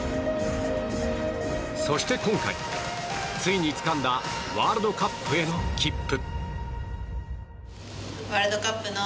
そして今回、ついにつかんだワールドカップへの切符。